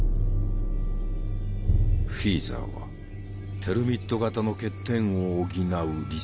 フィーザーはテルミット型の欠点を補う理想の焼夷弾を目指す。